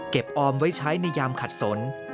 ออมไว้ใช้ในยามขัดสน